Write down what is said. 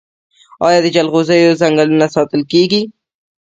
آیا د جلغوزیو ځنګلونه ساتل کیږي؟